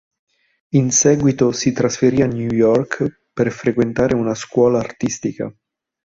In seguito si trasferì a New York per frequentare una scuola artistica.